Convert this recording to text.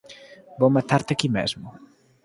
Vou matarte aquí mesmo!